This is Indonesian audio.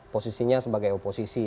posisinya sebagai oposisi